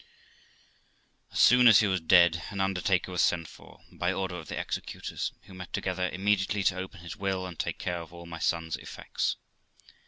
As soon as he was dead an undertaker was sent for, by order of the executors, who met together immediately to open his will, and take care of all my son's effects.